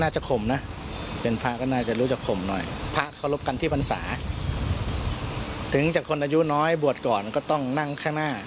จะเป็นพระบวชมาสามสี่พรรษาแล้วศึกไป